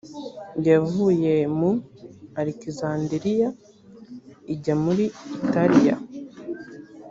yavuye mu alekizanderiya ijya muri italiya